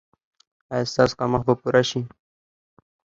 ایا ستاسو کمښت به پوره شي؟